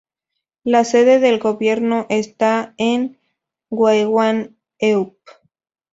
La sede del gobierno está en Waegwan-Eup.